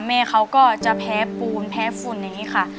แม่เขาก็จะแพ้ปูนแพ้ฝุ่นอย่างนี้ค่ะ